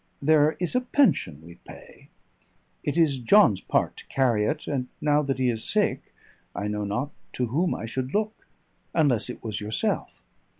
There is a pension we pay; it is John's part to carry it, and now that he is sick I know not to whom I should look, unless it was yourself.